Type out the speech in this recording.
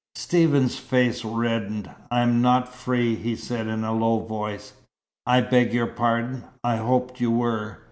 Stephen's face reddened. "I am not free," he said in a low voice. "I beg your pardon. I hoped you were.